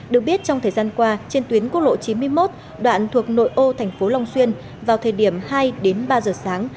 được biết trong thời gian qua trên tuyến cốc lộ chín mươi một đoạn thuộc nội ô tp long xuyên vào thời điểm hai đến ba giờ sáng